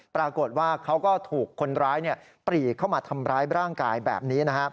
ปรากฏว่าเขาก็ถูกคนร้ายปรีเข้ามาทำร้ายร่างกายแบบนี้นะครับ